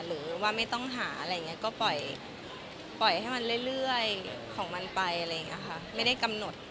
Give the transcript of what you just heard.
หรือว่าไม่ต้องหาอะไรอย่างนี้ก็ปล่อยให้มันเรื่อยของมันไปอะไรอย่างนี้ค่ะไม่ได้กำหนด